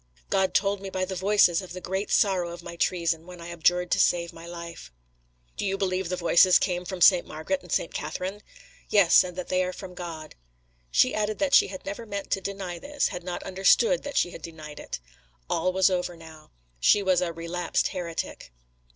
"God told me by the Voices of the great sorrow of my treason, when I abjured to save my life." "Do you believe the Voices came from St. Margaret and St. Catherine?" "Yes, and that they are from God." She added that she had never meant to deny this, had not understood that she had denied it. All was over now; she was a "relapsed heretic."